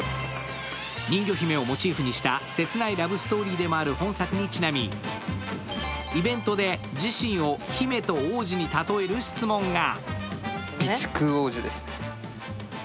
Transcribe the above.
人魚姫をモチーフにした切ないラブストーリーでもある本作にちなみ、イベントで自身を姫と王子に例える質問が。